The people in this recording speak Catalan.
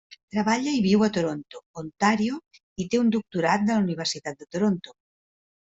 Treballa i viu a Toronto, Ontario, i té un doctorat de la Universitat de Toronto.